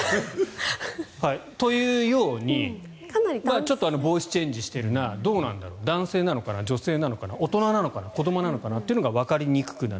というようにボイスチェンジしているなどうなんだろう男性なのかな、女性なのかな大人なのかな、子どもなのかなっていうことがわかりにくくなる。